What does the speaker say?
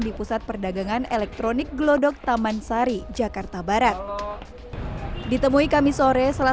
di pusat perdagangan elektronik glodok taman sari jakarta barat ditemui kami sore salah